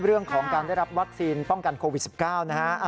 เรื่องของการได้รับวัคซีนป้องกันโควิด๑๙นะฮะ